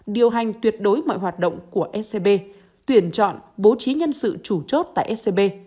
điều hành tuyệt đối mọi hoạt động của scb